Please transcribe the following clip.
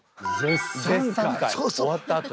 終わったあとに。